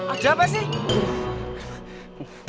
aja apa sih